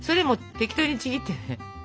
適当にちぎって。